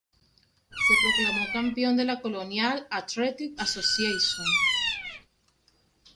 Se proclamó campeón de la Colonial Athletic Association.